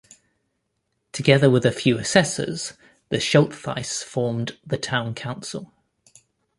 Together with a few assessors the "Schultheiss" formed the Town Council.